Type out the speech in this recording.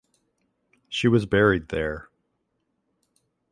She was buried there.